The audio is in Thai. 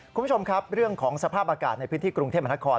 คุณผู้ชมครับเรื่องของสภาพอากาศในพื้นที่กรุงเทพมหานคร